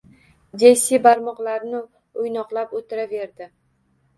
Jessi barmoqlarini o`ynoqlab, o`tiraverdi